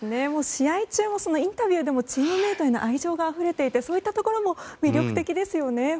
試合中もインタビューでもチームメートへの愛情があふれていてそういったところも魅力的ですよね。